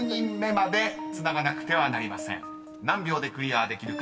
［何秒でクリアできるか。